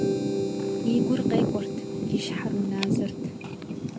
И гур къекӏуэрт, и щхьэр уназэрт.